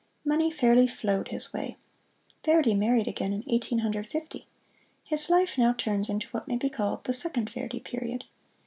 Money fairly flowed his way. Verdi married again in Eighteen Hundred Fifty. His life now turns into what may be called the Second Verdi Period.